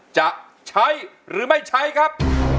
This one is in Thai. จะใช้หรือไม่ใช้ครับ